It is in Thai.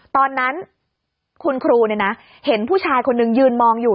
ตอนนั้นคุณครูเห็นผู้ชายคนนึงยืนมองอยู่